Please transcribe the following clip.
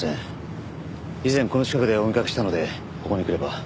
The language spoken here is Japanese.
以前この近くでお見かけしたのでここに来ればお会いできるかと。